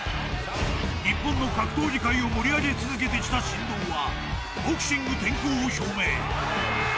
［日本の格闘技界を盛り上げ続けてきた神童はボクシング転向を表明］